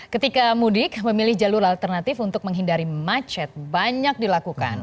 ketika mudik memilih jalur alternatif untuk menghindari macet banyak dilakukan